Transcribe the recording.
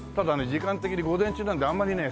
時間的に午前中なんであんまりね